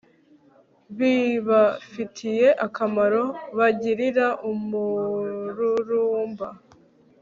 bibafitiye akamaro bagirira umururumba